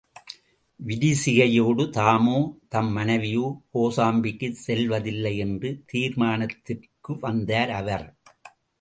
விரிசிகையோடு தாமோ, தம் மனைவியோ, கோசாம்பிக்குச் செல்வதில்லை என்ற தீர்மானித்திற்கு வந்தார் அவர்.